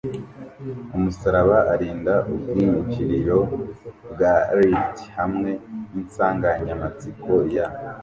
umusaraba arinda ubwinjiriro bwa lift hamwe ninsanganyamatsiko ya